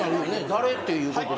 誰っていうとこに。